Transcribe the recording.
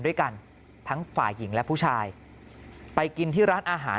ด้วยกันทั้งฝ่ายหญิงและผู้ชายไปกินที่ร้านอาหาร